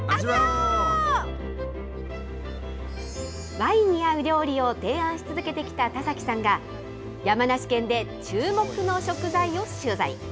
ワインに合う料理を提案し続けてきた田崎さんが、山梨県で注目の食材を取材。